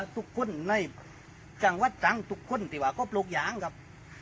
ขับกระเป๊ะมาอย่างดี๗๖นะครับ